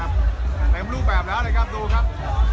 แม้ไม่รู้แบบแล้วเลยครับทุกคนครับ